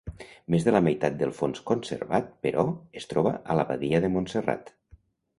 Més de la meitat del fons conservat, però, es troba a l'Abadia de Montserrat.